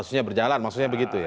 kasusnya berjalan maksudnya begitu ya